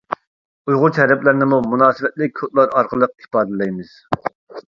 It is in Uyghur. ئۇيغۇرچە ھەرپلەرنىمۇ مۇناسىۋەتلىك كودلار ئارقىلىق ئىپادىلەيمىز.